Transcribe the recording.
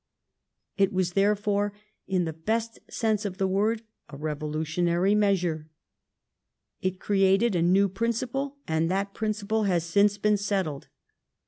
It was, therefore, in the best sense of the word, a revolutionary measure. It created a new principle, and that principle has since been settled.